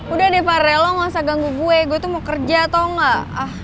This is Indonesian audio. udah deh parel lo gak usah ganggu gue gue tuh mau kerja tau gak